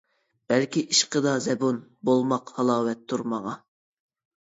بەلكى ئىشقىدا زەبۇن، بولماق ھالاۋەتتۇر ماڭا.